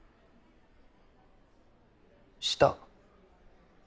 した。